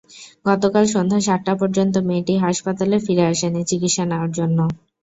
গতকাল সন্ধ্যা সাতটা পর্যন্ত মেয়েটি হাসপাতালে ফিরে আসেনি চিকিৎসা নেওয়ার জন্য।